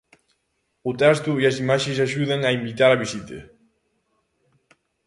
O texto e as imaxes axudan a invitar á visita.